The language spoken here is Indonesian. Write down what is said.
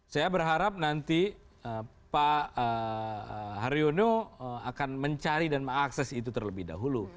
saya berharap nanti pak haryono akan mencari dan mengakses itu terlebih dahulu